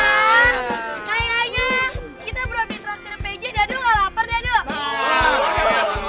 cuma kayaknya kita berhenti henti pekejian dadu gak lapar dadu